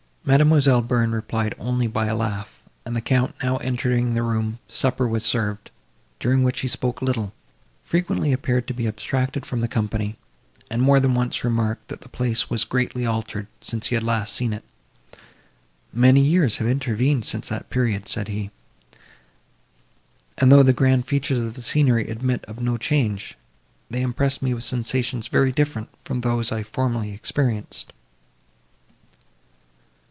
Mademoiselle Bearn replied only by a laugh; and, the Count now entering the room, supper was served, during which he spoke little, frequently appeared to be abstracted from the company, and more than once remarked, that the place was greatly altered, since he had last seen it. "Many years have intervened since that period," said he; "and, though the grand features of the scenery admit of no change, they impress me with sensations very different from those I formerly experienced."